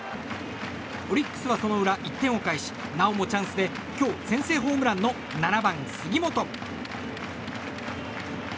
オリックスはその裏、１点を返しなおもチャンスで今日、先制ホームランの７番、杉本。